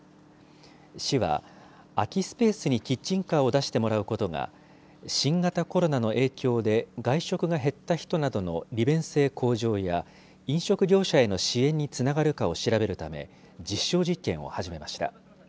市は空きスペースにキッチンカーを出してもらうことが、新型コロナの影響で外食が減った人などの利便性向上や、飲食業者への支援につながるかを調べるため、実証実験を始めました。